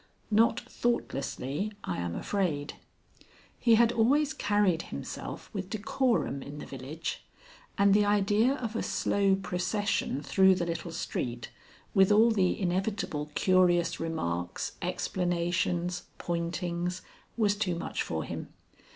Not thoughtlessly, I am afraid. He had always carried himself with decorum in the village, and the idea of a slow procession through the little street with all the inevitable curious remarks, explanations, pointings, was too much for him.